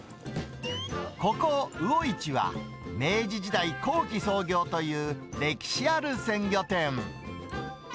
ここ、魚市は、明治時代後期創業という歴史ある鮮魚店。